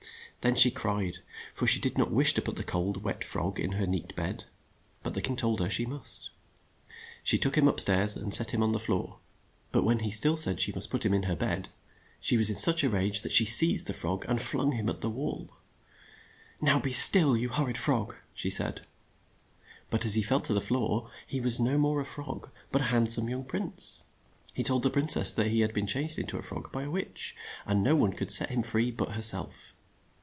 Then she cried, for she did not wish to put the cold, wet frog in her neat bed. But the king told her she must. She took him up stairs, and set him on the floor ; but when THE GOOSE GIRL 45 lie still said she must put him in her bed, she was in such a rage that she seized the frog and flung him at the wall. "Now be still, you hor rid frog," she said. But as he fell to the floor, he was no more a frog, but a hand some young prince. He told the prin cess that he had been changed in to a frog by a witch, and no one could set him free but her self.